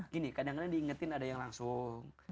gini kadang kadang diingetin ada yang langsung